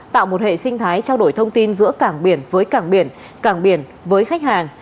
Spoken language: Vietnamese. tạo một hệ sinh thái trao đổi thông tin giữa cảng biển với cảng biển cảng biển với khách hàng